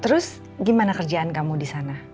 terus gimana kerjaan kamu disana